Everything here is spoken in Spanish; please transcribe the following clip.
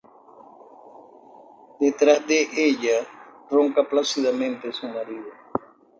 Detrás de ella ronca plácidamente su marido.